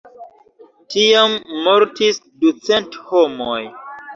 Tiam mortis ducent homoj.